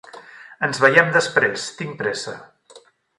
Ens veiem després. Tinc pressa.